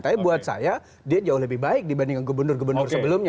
tapi buat saya dia jauh lebih baik dibanding gubernur gubernur sebelumnya